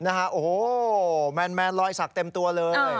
โอ้โหแมนรอยสักเต็มตัวเลย